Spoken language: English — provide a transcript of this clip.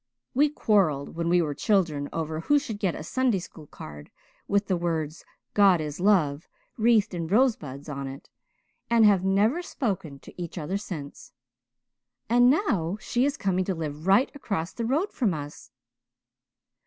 We quarrelled when we were children over who should get a Sunday school card with the words 'God is Love,' wreathed in rosebuds, on it, and have never spoken to each other since. And now she is coming to live right across the road from us."